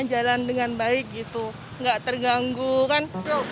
hanya jalan dengan baik gitu gak terganggu kan